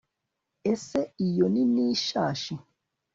ese iyo ni nishashi